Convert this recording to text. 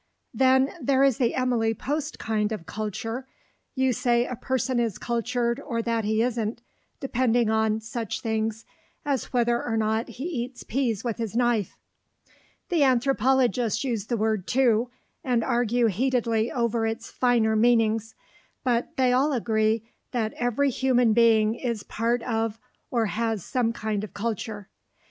Then there is the Emily Post kind of "culture" you say a person is "cultured," or that he isn't, depending on such things as whether or not he eats peas with his knife. The anthropologists use the word too, and argue heatedly over its finer meanings; but they all agree that every human being is part of or has some kind of culture.